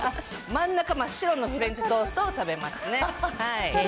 真ん中真っ白なフレンチトーストを食べますね。